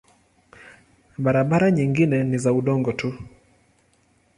Barabara nyingine ni za udongo tu.